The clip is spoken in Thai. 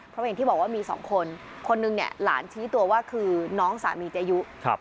เพราะอย่างที่บอกว่ามีสองคนคนหนึ่งเนี่ยหลานชี้ตัวว่าคือน้องสามีเจยุ